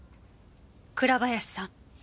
倉林さん。